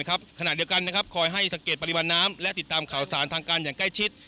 ขณะเดียวกันคอยให้สังเกตปริมาณน้ำและติดตามข่าวสารทางการอย่างใกล้ชิด